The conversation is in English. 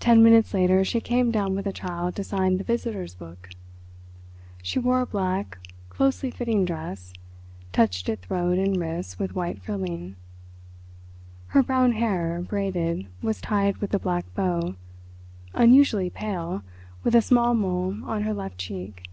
Ten minutes later she came down with the child to sign the visitors' book. She wore a black, closely fitting dress, touched at throat and wrists with white frilling. Her brown hair, braided, was tied with a black bow—unusually pale, with a small mole on her left cheek.